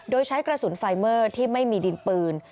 โดยใช้กระสุนไฟเมอร์ที่ไม่มีดินปืน